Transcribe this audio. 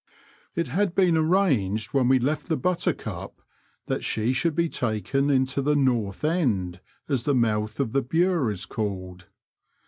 It had been arranged when we left the Buttercup that she should be taken into the North end, as the mouth of the Bure is called.